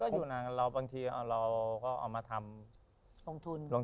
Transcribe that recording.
ก็อยู่นานแล้วบางทีเราก็เอามาทำลงทุนด้วย